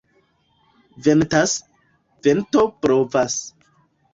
Ventas, vento blovas.